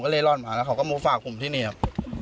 แล้วเราหนีทำไมครับ